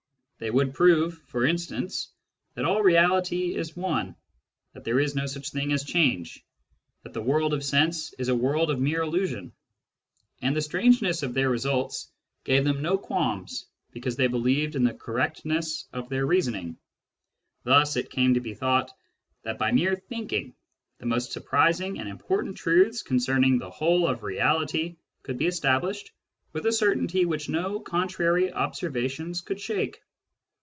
They would prove, for instance, that all reality is one, that there is no such thing as change, that the world of sense is a world of mere illusion ; and the strangeness of their results gave them no qualms because they believed in the correctness of their reasoning. Thus it came to be thought that by mere thinking the most surprising and important truths concerning the whole of reality could be established witlf a certainty which no contrary observations could shake.